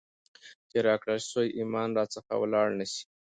چي راکړل سوئ ایمان را څخه ولاړ نسي ،